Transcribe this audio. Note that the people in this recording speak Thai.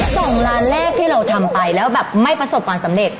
กล่องร้านแรกที่เราทำไปแล้วแบบไม่ประสบความสำเร็จ